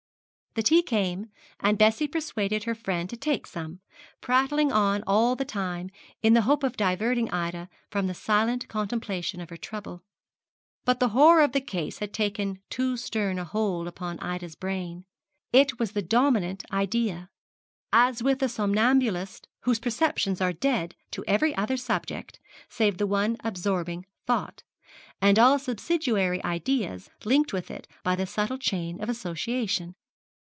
The tea came, and Bessie persuaded her friend to take some, prattling on all the time in the hope of diverting Ida from the silent contemplation of her trouble. But the horror of the case had taken too stern a hold upon Ida's brain. It was the dominant idea; as with the somnambulist whose perceptions are dead to every other subject save the one absorbing thought, and all subsidiary ideas linked with it by the subtle chain of association.